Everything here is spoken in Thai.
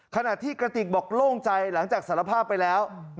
ขณะที่กระติกบอกโล่งใจหลังจากสารภาพไปแล้ว